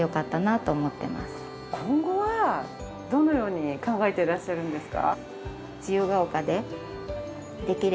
今後はどのように考えてらっしゃるんですか？